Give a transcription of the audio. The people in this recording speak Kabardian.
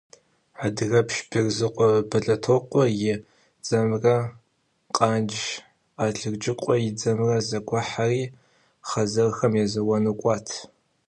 Адыгэпщ Безрыкъуэ Бэлэтокъуэ и дзэмрэ Къанж Алыджыкъуэ и дзэмрэ зэгухьэри, хъэзэрхэм езэуэну кӏуат.